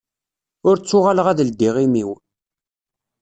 Ur ttuɣaleɣ ad ldiɣ imi-w.